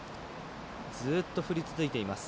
ずっと降り続いています。